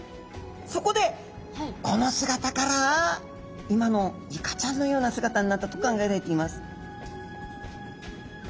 そこでこの姿から今のイカちゃんのような姿になったと考えられています。